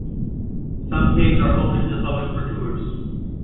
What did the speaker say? Some caves are open to the public for tours.